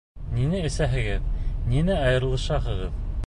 Ниңә әсәһегеҙ, ниңә айырылышаһығыҙ?